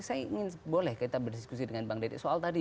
saya ingin boleh kita berdiskusi dengan bang dede soal tadi